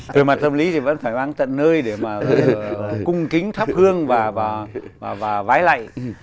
từ mặt tâm lý thì vẫn phải mang tận nơi để mà cung kính tháp hương và vái lạy